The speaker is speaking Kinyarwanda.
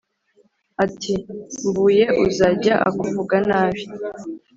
ati « mvumye uzajya akuvuga nabi »